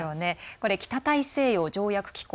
これ、北大西洋条約機構。